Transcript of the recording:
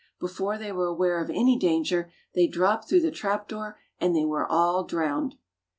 Before they were 141 Fairy Tale Bears aware of any danger they dropped through the trap door and they were all drowned.